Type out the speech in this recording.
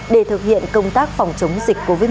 để thực hiện công tác phòng chống dịch covid một mươi